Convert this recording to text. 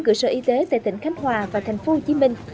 cơ sở y tế tại tỉnh khánh hòa và thành phố hồ chí minh